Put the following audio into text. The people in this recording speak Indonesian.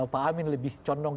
pak amin lebih condong